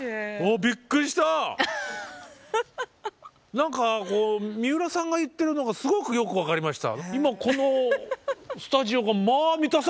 何かこう三浦さんが言ってるのがすごくよく分かりました。